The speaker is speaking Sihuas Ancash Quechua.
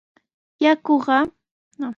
Ukush mallaqnar suqakun.